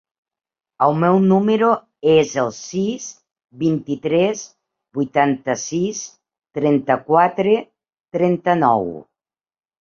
El meu número es el sis, vint-i-tres, vuitanta-sis, trenta-quatre, trenta-nou.